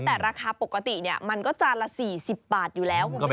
แต่ราคาปกติมันก็จานละ๔๐บาทอยู่แล้วคุณผู้ชม